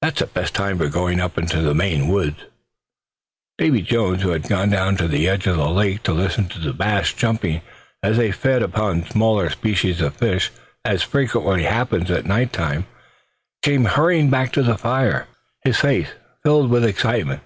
That's the best time for going up into the Maine woods." Davy Jones, who had gone down to the edge of the lake to listen to the bass jumping as they fed upon some smaller species of fish, as frequently happens at night time, came hurrying back to the fire just then, his face filled with excitement.